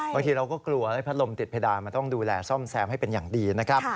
บางทีเราก็กลัวพัดลมติดเพดานมันต้องดูแลซ่อมแซมให้เป็นอย่างดีนะครับ